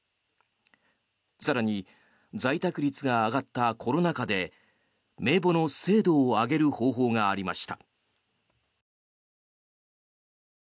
更に在宅率が上がったコロナ禍で名簿の精度を上げる方法がありました。